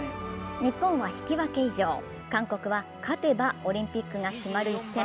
日本は引き分け以上韓国は勝てばオリンピックが決まる一戦。